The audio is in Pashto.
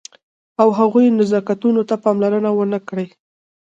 او هغو نزاکتونو ته پاملرنه ونه کړئ.